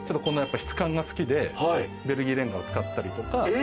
質感が好きでベルギーレンガを使ったりとか。